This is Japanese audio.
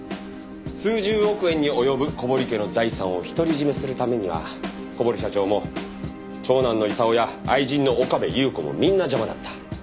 数十億円に及ぶ小堀家の財産を独り占めするためには小堀社長も長男の功や愛人の岡部祐子もみんな邪魔だった。